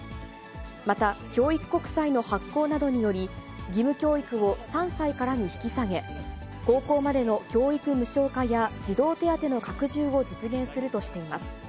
また教育国債の発行などにより、義務教育を３歳からに引き下げ、高校までの教育無償化や児童手当の拡充を実現するとしています。